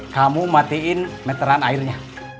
kamu matiin meteran airnya